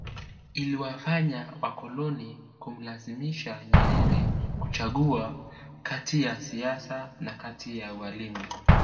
Iliwafanya wakoloni kumlazimisha Nyerere kuchagua kati ya siasa na kazi ya ualimu